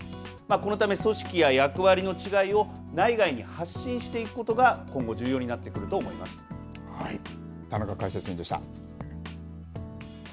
このため、組織や役割の違いを内外に発信していくことが今後田中解説委員でした。